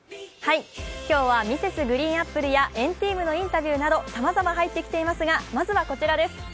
今日はＭｒｓ．ＧＲＥＥＮＡＰＰＬＥや＆ＴＥＡＭのインタビューなどさまざま入ってきていますがまずはこちらです。